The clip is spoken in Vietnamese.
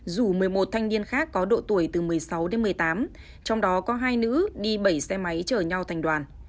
rủ một mươi một thanh niên khác có độ tuổi từ một mươi sáu đến một mươi tám trong đó có hai nữ đi bảy xe máy chở nhau thành đoàn